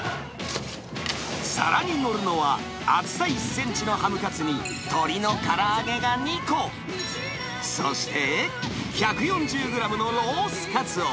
皿に載るのは、厚さ１センチのハムカツに鶏のから揚げが２個、そして１４０グラムのロースカツを。